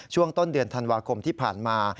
ช่วงต้นเดือนธันวาคมที่ผ่านมา